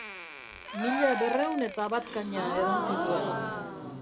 Mila berrehun eta bat kaña edan zituen.